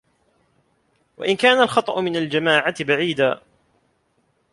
وَإِنْ كَانَ الْخَطَأُ مِنْ الْجَمَاعَةِ بَعِيدًا